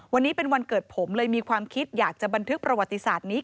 วันนี้เป็นวันเกิดผมเลยมีความคิดอยากจะบันทึกประวัติศาสตร์นี้